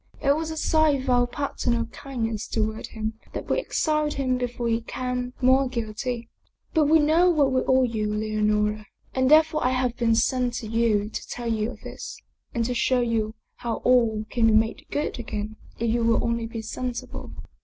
It was a sign of our paternal kindness toward him that we exiled him before he became more guilty. But we know what we owe you, Leonora. And therefore I have been sent to you to tell you of this, and to show you how all can be made good again if you will only be sensible."